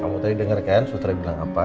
kamu tadi dengar kan sutra bilang apa